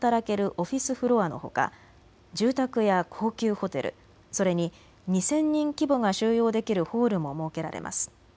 オフィスフロアのほか、住宅や高級ホテル、それに２０００人規模が収容できるホールも設けられます。